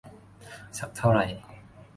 สักเท่าไร